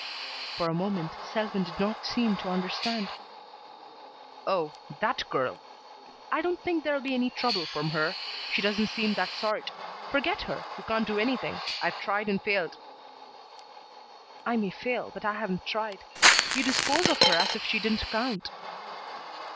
For a moment Selwyn did not seem to understand. "Oh, that girl! I don't think there'll be any trouble from her. She doesn't seem that sort. Forget her. You can't do anything. I've tried and failed." "I may fail, but I haven't tried. You dispose of her as if she didn't count."